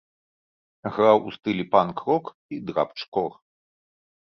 Граў у стылі панк-рок і драбч-кор.